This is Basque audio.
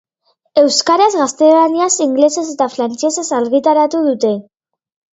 Euskaraz, gaztelaniaz, ingelesez eta frantsesez argitaratu dute.